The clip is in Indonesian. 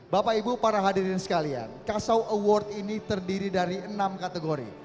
bapak ibu para hadirin sekalian kasau award ini terdiri dari enam kategori